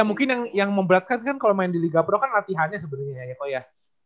ya mungkin yang membelatkan kan kalau main di liga pro kan latihannya sebenarnya ya koko ya